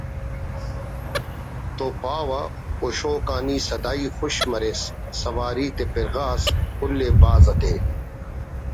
تو پاوہ ہشوک آ نی سدائی خوش مریس سواری تے پِرغاس کُل ءِ بھاز آتے